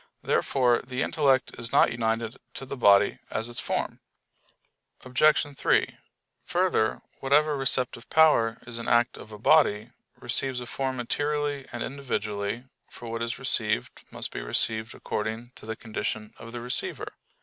Therefore the intellect is not united to the body as its form. Obj. 3: Further, whatever receptive power is an act of a body, receives a form materially and individually; for what is received must be received according to the condition of the receiver.